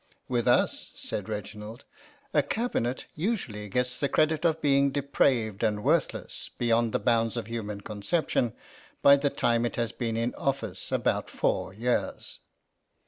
" With us," said Reginald, " a Cabinet usually gets the credit of being depraved and worthless beyond the bounds of human REGINALD IN RUSSIA 5 conception by the time it has been in office about four years."